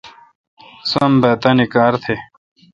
سم بھا تانی کار تھ۔